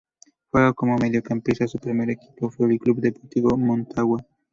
Juega como mediocampista, su primer equipo fue el Club Deportivo Motagua.